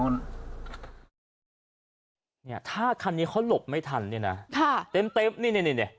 เนี่ยถ้าคันนี้เขาหลบไม่ทันเนี่ยนะเต็มนี่